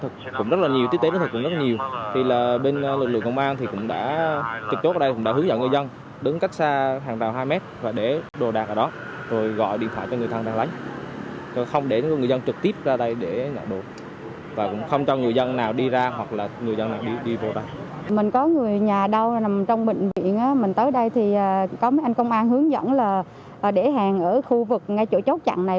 trong bệnh viện mình tới đây thì có anh công an hướng dẫn là để hàng ở khu vực ngay chỗ chốt chặn này